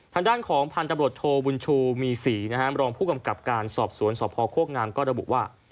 ทางด้านของพันธบรรทโทวุวุลชูมี๔รองผู้กำกับการสอบสวนสอบพอโครกงานก็ระบุว่า